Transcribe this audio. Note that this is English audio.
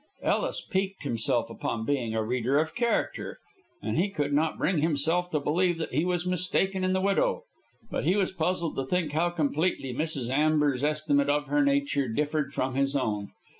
Ellis piqued himself upon being a reader of character, and he could not bring himself to believe that he was mistaken in the widow. But he was puzzled to think how completely Mrs. Amber's estimate of her nature differed from his own.